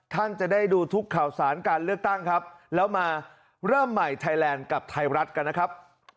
ท่านจะได้ดูทุกข่าวสารการเลือกตั้งครับแล้วมาเริ่มใหม่ไทยแลนด์กับไทยรัฐกันนะครับ